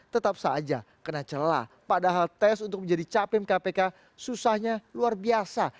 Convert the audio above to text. tetap saja kena celah padahal tes untuk menjadi capim kpk susahnya luar biasa